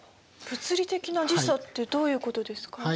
物理的な時差ってどういうことですか？